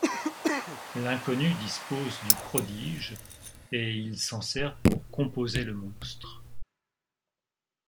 L’inconnu dispose du prodige, et il s’en sert pour composer le monstre.